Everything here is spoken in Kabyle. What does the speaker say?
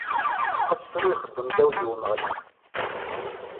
Asefru i yexdem Dawed i Umeɣlal.